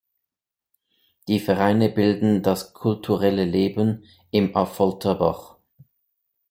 Die Vereine bilden das kulturelle Leben im Affolterbach.